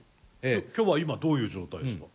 今日は今どういう状態ですか？